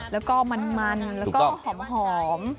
แล้วก็มันแล้วก็หอม